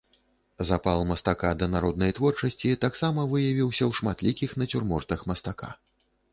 Запал мастака да народнай творчасці таксама выявіўся ў шматлікіх нацюрмортах мастака.